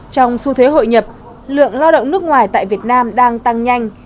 trong xu thế hội nhập lượng lao động nước ngoài tại việt nam đang tăng nhanh